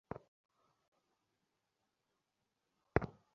এই প্ল্যাটফর্মে বিপজ্জনক প্রকৃতির অতিরঞ্জন ও মিথ্যাচার হাত ধরে চলে।